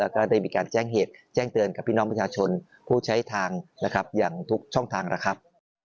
ก็ได้มีการแจ้งเหตุแจ้งเตือนกับพี่น้องประชาชนผู้ใช้ทางนะครับอย่างทุกช่องทางนะครับ